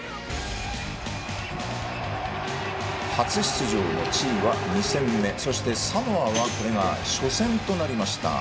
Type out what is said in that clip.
初出場のチリは２戦目、そして、サモアはこれが初戦となりました。